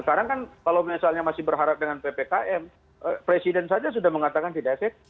karena kalau misalnya masih berharap dengan ppkm presiden saja sudah mengatakan tidak efektif